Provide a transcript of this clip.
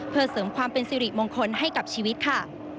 เพื่อเสริมความเป็นสิริมงคลให้กับชีวิตค่ะ